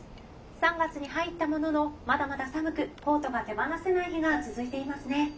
３月に入ったもののまだまだ寒くコートが手放せない日が続いていますね。